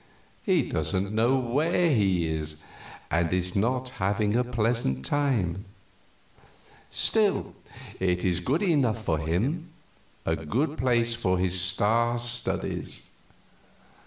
He doesn't know where he is, and is not having a pleasant time; still, it is good enough for him, a good place for his star studies.